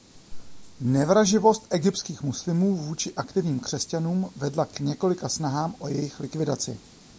Nevraživost egyptských muslimů vůči aktivním křesťanům vedla k několika snahám o jejich likvidaci.